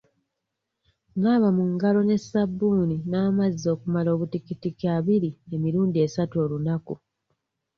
Naaba mu ngalo ne ssabbuuni n'amazzi okumala obutikitiki abiri emirundi esatu olunaku.